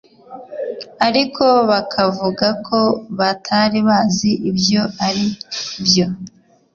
ariko bakavuga ko batari bazi ibyo ari byo